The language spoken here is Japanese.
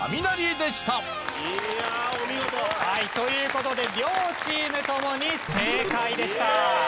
いやお見事！という事で両チームともに正解でした。